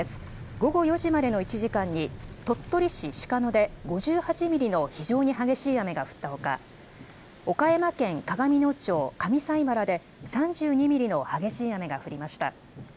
午後４時までの１時間に鳥取市しかので５８ミリの非常に激しい雨が降ったほか、岡山県鏡野町上齋原で３２ミリの激しい雨が降りました。